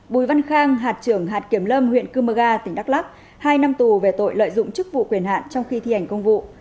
bùi văn khang hạt trưởng hạt kiểm lâm huyện cư mơ ga tỉnh đắk lắc hai năm tù về tội lợi dụng chức vụ quyền hạn trong khi thi hành công vụ